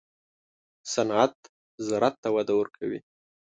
صنعت زراعت ته وده ورکوي